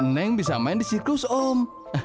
neng bisa main di sirkus om